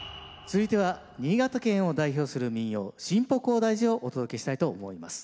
続いては新潟県を代表する民謡「新保広大寺」をお届けしたいと思います。